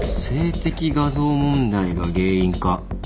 「性的画像問題が原因か」